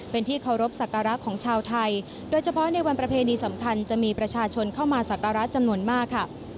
เป็นที่เคารพสักการะของชาวไทยโดยเฉพาะในวันประเพณีสำคัญจะมีประชาชนเข้ามาสักการะจำนวนมากค่ะ